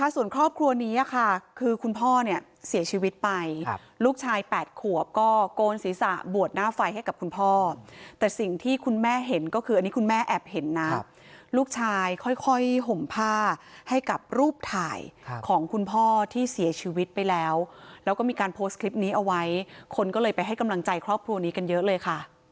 ส่วนครอบครัวนี้ค่ะคือคุณพ่อเนี่ยเสียชีวิตไปลูกชาย๘ขวบก็โกนศีรษะบวชหน้าไฟให้กับคุณพ่อแต่สิ่งที่คุณแม่เห็นก็คืออันนี้คุณแม่แอบเห็นนะลูกชายค่อยห่มผ้าให้กับรูปถ่ายของคุณพ่อที่เสียชีวิตไปแล้วแล้วก็มีการโพสต์คลิปนี้เอาไว้คนก็เลยไปให้กำลังใจครอบครัวนี้กันเยอะเลยค่ะ